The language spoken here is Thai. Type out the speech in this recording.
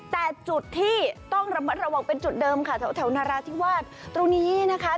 แต่จุดที่ต้องระมัดระวังเป็นจุดเดิมค่ะแถวนราธิวาสตรงนี้นะคะ